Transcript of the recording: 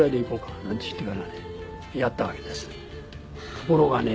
ところがね